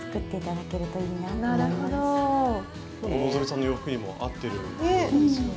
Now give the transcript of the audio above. きょうの希さんの洋服にも合ってるようですよね。